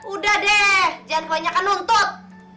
udah deh jangan kebanyakan nuntut